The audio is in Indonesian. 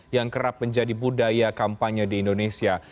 yang kerap menjadi budaya kampanye di indonesia